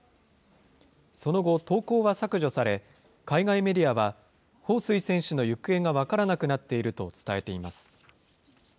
その後、投稿は削除され、海外メディアは、彭帥選手の行方が分からなくなっていると伝えています。